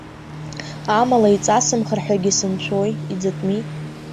Амала, иҵасымхар ҳәагьы сымшәои, иӡатәми.